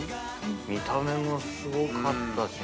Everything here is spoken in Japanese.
見た目もすごかったしね。